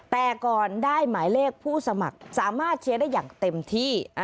แต่ก่อนได้หมายเลขผู้สมัครสามารถเชียร์ได้อย่างเต็มที่